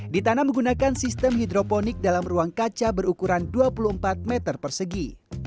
ditanam menggunakan sistem hidroponik dalam ruang kaca berukuran dua puluh empat meter persegi